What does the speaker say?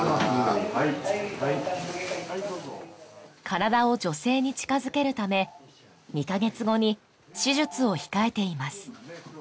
体を女性に近づけるため２カ月後に手術を控えています